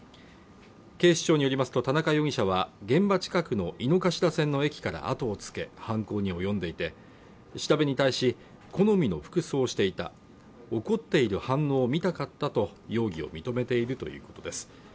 警視庁によりますと田中容疑者は現場近くの井の頭線の駅から後をつけ、犯行に及んでいて、調べに対し、好みの服装をしていた怒っている反応を見たかったと容疑を認めているということです。